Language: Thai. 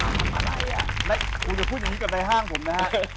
คุณอย่าพูดอย่างนี้กับรายห้างผมนะฮะ